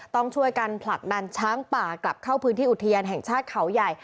ต้องช่วยกันผลักดันช้างป่ากลับเข้าพื้นที่อุทยานแห่งชาติเขาใหญ่